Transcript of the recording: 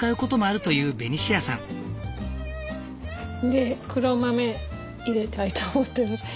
で黒豆入れたいと思ってます。